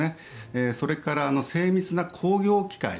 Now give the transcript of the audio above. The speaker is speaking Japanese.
それから精密な工業機械。